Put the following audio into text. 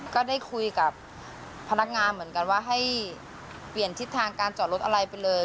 ก็ได้คุยกับพนักงานเหมือนกันว่าให้เปลี่ยนทิศทางการจอดรถอะไรไปเลย